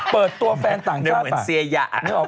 เปิดตัวแฟนต่างชาติป่ะเหมือนเสียหยะ